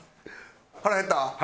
腹減った？